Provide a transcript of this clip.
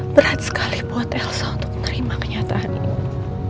berat sekali buat elsa untuk menerima kenyataan ini